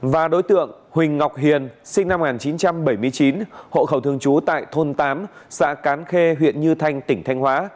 và đối tượng huỳnh ngọc hiền sinh năm một nghìn chín trăm bảy mươi chín hộ khẩu thường trú tại thôn tám xã cán khê huyện như thanh tỉnh thanh hóa